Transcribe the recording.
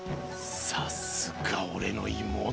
さすがおれの妹。